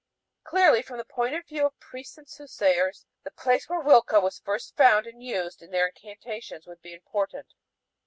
Clearly, from the point of view of priests and soothsayers, the place where huilca was first found and used in their incantations would be important.